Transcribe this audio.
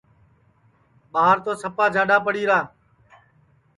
ٻار تو سپا جاڈؔا پڑی را